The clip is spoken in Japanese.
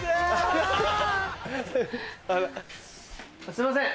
すいません！